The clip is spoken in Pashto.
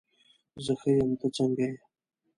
زه ښه یم، ته څنګه یې؟